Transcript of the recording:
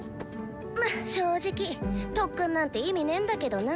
まぁ正直特訓なんて意味ねーんだけどな。